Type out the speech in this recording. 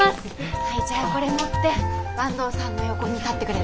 はいじゃあこれ持って坂東さんの横に立ってくれる？